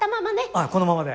あこのままで。